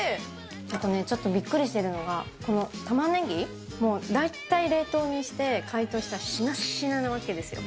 あとね、ちょっとびっくりしてるのが、このタマネギ、もう大体冷凍にして、解凍したら、しなしななわけですよ。